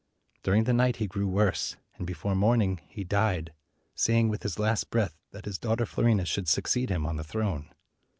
Dur ing the night he grew worse, and before morn ing he died, saying with his last breath that his daughter Fiorina should succeed him on the throne.